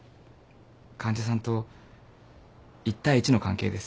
患者さんと一対一の関係です。